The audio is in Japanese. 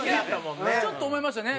ちょっと思いましたね。